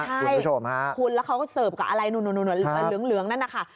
คุณผู้ชมครับคุณแล้วเขาก็เซิร์ฟกับอะไรเหลืองนั่นค่ะ